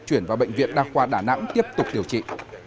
chuyển vào bệnh viện đa khoa đà nẵng tiếp tục điều trị